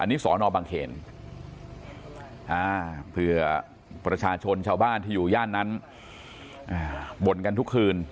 อันนี้สอนอบังเขนเผื่อประชาชนชาวบ้านที่อยู่ย่านนั้นบ่นกันทุกคืน